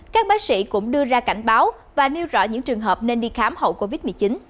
các bác sĩ cũng đưa ra cảnh báo và nêu rõ những trường hợp nên đi khám hậu covid một mươi chín